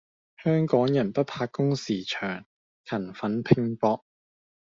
香港人不怕工時長，勤奮拼搏